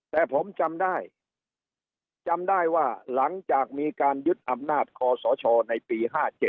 แต่ผมจำได้จำได้ว่าหลังจากมีการยึดอำนาจคอสชในปี๕๗